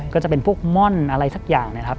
ก็จะเป็นพวกม่อนอะไรสักอย่างนะครับ